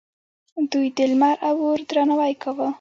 دوی د لمر او اور درناوی کاوه